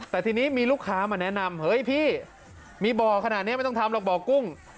แต่ทีนี้มีลูกค้ามาแนะนำเฮ้ยพี่มีบ่อขนาดนี้ไม่ต้องทำหรอกบ่อกุ้ง